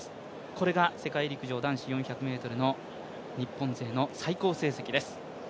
これが世界陸上男子４００ｍの日本勢の最高成績です。